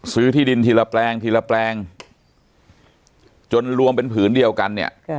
ที่ดินทีละแปลงทีละแปลงจนรวมเป็นผืนเดียวกันเนี่ย